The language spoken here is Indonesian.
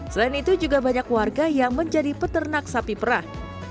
selain itu juga banyak warga yang menjadi peternak sapi perah